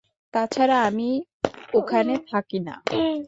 তাছাড়া, আমি ওখানে থাকি না।